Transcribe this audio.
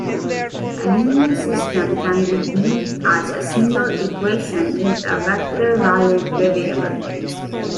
A linear system can be viewed as a single equation with a vector-valued variable.